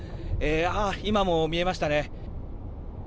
今も見えましたね。